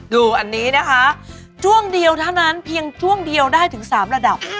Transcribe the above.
ดูอันนี้นะคะช่วงเดียวเท่านั้นเพียงช่วงเดียวได้ถึง๓ระดับ